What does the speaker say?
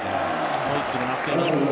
ホイッスルが鳴っています。